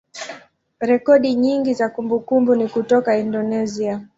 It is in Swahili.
rekodi nyingi za kumbukumbu ni kutoka Indonesia.